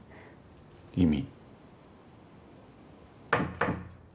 意味。